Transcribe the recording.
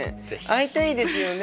会いたいですよね？